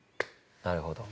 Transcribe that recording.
なるほど。